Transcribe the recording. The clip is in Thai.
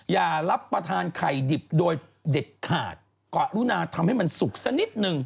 อย่ารับประทานไข่ดิบโดยเด็ดขาดกะรุนาทำให้มันสุกสักนิดนึง